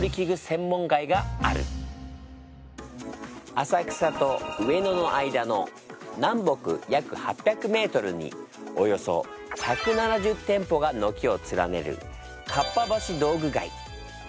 浅草と上野の間の南北約８００メートルにおよそ１７０店舗が軒を連ねるかっぱ橋道具街。